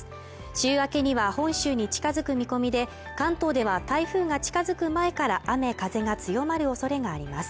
週明けには本州に近づく見込みで関東では台風が近づく前から雨風が強まる恐れがあります